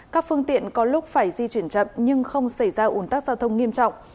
các phương tiện có lúc phải di chuyển chậm nhưng không xảy ra ủn tắc giao thông nghiêm trọng